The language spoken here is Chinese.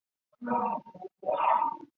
欧卡是葡萄牙阿威罗区的一个堂区。